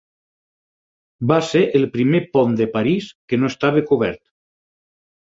Va ser el primer pont de París que no estava cobert.